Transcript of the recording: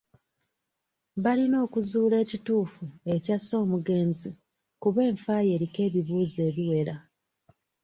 Balina okuzuula ekituufu ekyasse omugezi kuba enfa ye eriko ebibuuzo ebiwera.